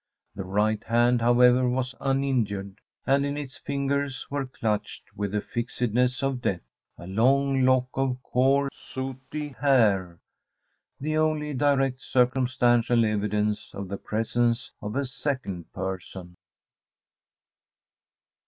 The right hand, however, was uninjured, and in its fingers were clutched, with the fixedness of death, a long lock of coarse sooty hair the only direct circumstantial evidence of the presence of a second person.